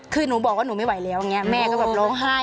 คือหนูบอกว่าหนูไม่ไหวแล้วอย่างนี้แม่ก็แบบร้องไห้